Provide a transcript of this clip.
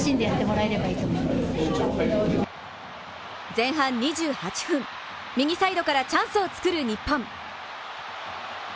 前半２８分、右サイドからチャンスを作る日本。